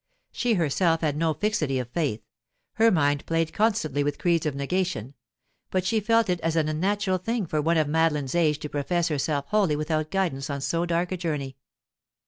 She herself had no fixity of faith; her mind played constantly with creeds of negation; but she felt it as an unnatural thing for one of Madeline's age to profess herself wholly without guidance on so dark a journey.